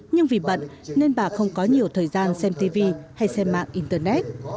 nhưng vì bận nên bà không có nhiều thời gian xem tv hay xem mạng internet